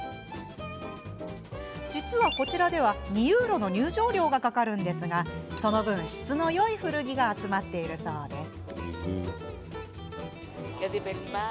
実は、こちらでは２ユーロ入場料がかかるんですがその分、質のよい古着が集まっているそうです。